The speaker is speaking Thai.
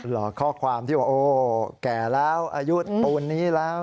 เหรอข้อความที่ว่าโอ้แก่แล้วอายุปูนนี้แล้ว